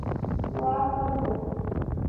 وا خلکو!